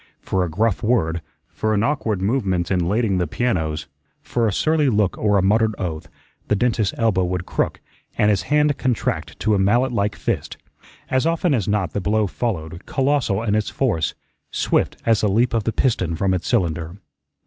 For a gruff word, for an awkward movement in lading the pianos, for a surly look or a muttered oath, the dentist's elbow would crook and his hand contract to a mallet like fist. As often as not the blow followed, colossal in its force, swift as the leap of the piston from its cylinder.